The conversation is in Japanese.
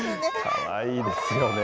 かわいいですよね。